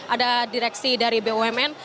ada direksi dari bumn